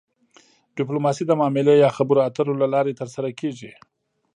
ډیپلوماسي د معاملې یا خبرو اترو له لارې ترسره کیږي